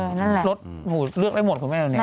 นั่นแหละรสหูเลือกได้หมดคุณแม่ตอนนี้